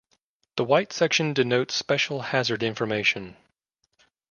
The white section denotes special hazard information.